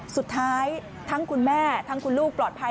สุดท้ายทั้งคุณแม่ทั้งคุณลูกปลอดภัย